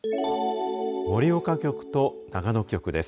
盛岡局と長野局です。